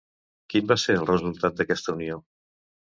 Quin va ser el resultat d'aquesta unió?